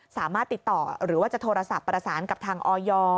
สามารถติดต่อหรือว่าจะโทรศัพท์ประสานกับทางออย